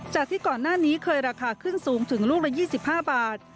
จากที่ก่อนหน้านี้เคยราคาขึ้นสูงถึงลูกละ๒๕บาท